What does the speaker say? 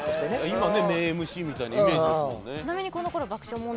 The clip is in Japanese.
今ねメインＭＣみたいなイメージですもんね。